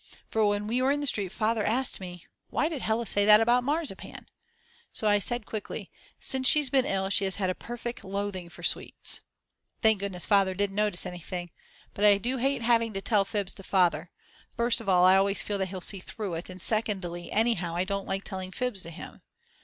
For when we were in the street Father asked me: Why did Hella say that about marzipan? So I said quickly: Since she's been ill she has a perfect loathing for sweets. Thank goodness Father didn't notice anything. But I do hate having to tell fibs to Father. First of all I always feel that he'll see through it, and secondly anyhow I don't like telling fibs to him.